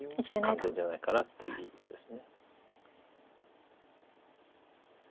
完全じゃないかなっていうことです。